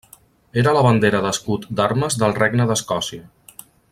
Era la bandera d'escut d'armes del Regne d'Escòcia.